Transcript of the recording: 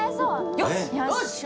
よし！